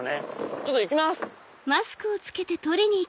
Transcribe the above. ちょっと行きます！